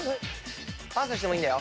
パスしてもいいんだよ。